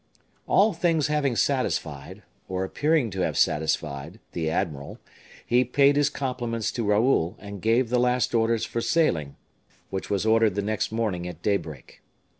All things having satisfied, or appearing to have satisfied, the admiral, he paid his compliments to Raoul, and gave the last orders for sailing, which was ordered the next morning at daybreak.